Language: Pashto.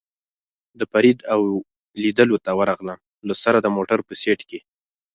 د فرید او لېدلو ته ورغلم، له سره د موټر په سېټ کې.